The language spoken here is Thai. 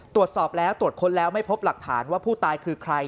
ตรวจสอบแล้วตรวจค้นแล้วไม่พบหลักฐานว่าผู้ตายคือใคร